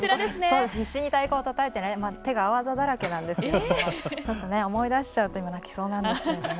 必死に太鼓をたたいて手が青あざだらけなんですけど思い出しちゃって泣きそうなんですけども。